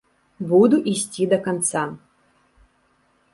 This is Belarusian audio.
Буду ісці да канца.